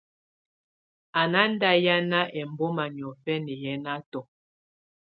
Á ná ndá hiána ɛmbɔma niɔ̀fɛna yɛnatɔ.